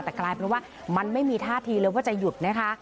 แต่กลายเป็นว่ามันไม่มีท่าทีเลยว่าจะหยุดนะคะ